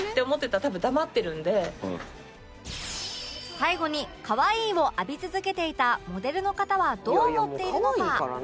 最後に「かわいい」を浴び続けていたモデルの方はどう思っているのか？